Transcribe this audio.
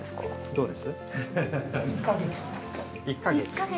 ◆どうです。